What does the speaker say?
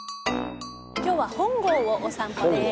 今日は本郷をお散歩です。